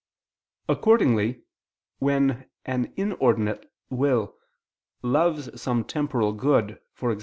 Accordingly when an inordinate will loves some temporal good, e.g.